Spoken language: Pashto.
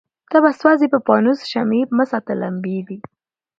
ته به سوځې په پانوس کي شمعي مه ساته لمبې دي